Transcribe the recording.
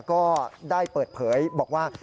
ก็ได้เปิดเผยบอกว่า